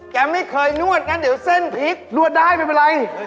แกไม่เคยนวดงั้นเดี๋ยวเส้นพริกนวดได้ไม่เป็นไร